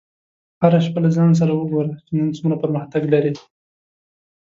هره شپه له ځان سره وګوره چې نن څومره پرمختګ لرې.